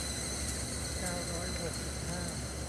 เก้าร้อยหกสิบห้า